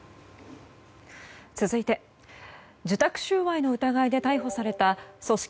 続いて受託収賄の疑いで逮捕された組織